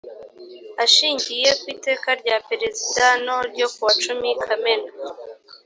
ashingiye ku iteka rya perezida no ryo kuwa cumi kamena